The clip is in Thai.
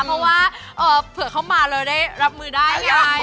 เพราะว่าเผื่อเข้ามาเราได้รับมือได้ไง